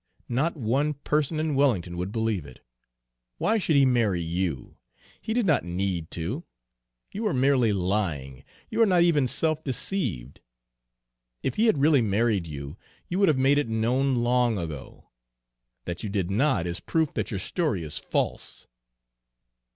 Not one person in Wellington would believe it. Why should he marry you? He did not need to! You are merely lying, you are not even self deceived. If he had really married you, you would have made it known long ago. That you did not is proof that your story is false.'